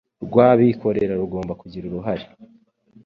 rw abikorera rugomba kugira uruhare